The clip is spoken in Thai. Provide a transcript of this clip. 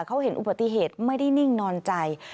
เขาเห็นอุบัติเหตุไม่ได้นิ่งนอนใจ